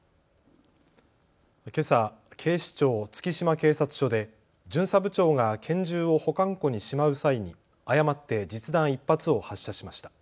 けさ、警視庁月島警察署で巡査部長が拳銃を保管庫にしまう際に誤って実弾１発を発射しました。